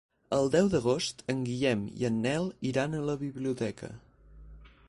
El deu d'agost en Guillem i en Nel iran a la biblioteca.